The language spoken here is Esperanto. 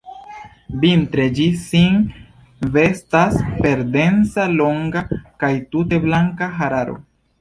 Vintre ĝi sin vestas per densa, longa kaj tute blanka hararo.